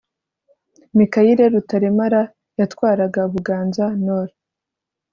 mikayire rutaremara yatwaraga ubuganza-nord